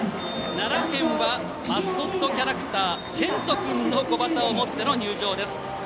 奈良県はマスコットキャラクターせんとくんの小旗を持っての入場です。